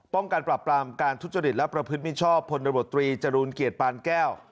ป้องการปรับปรามการทุจจดิตและประพฤติมิชชอบผลบัตรตรีจรูนเกียจปานแก้ว